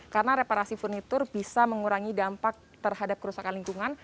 karena reparasi furnitur bisa mengurangi dampak terhadap kerusakan lingkungan